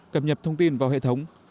cập nhập thông tin vào hệ thống